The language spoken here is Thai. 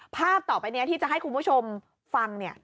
ภาพต่อไปเนี่ยที่จะให้คุณผู้ชมฟังเนี่ย